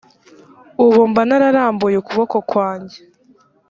ubu mba nararambuye ukuboko kwanjye